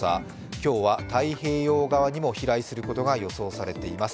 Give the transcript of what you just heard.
今日は太平洋側にも飛来することが予想されています。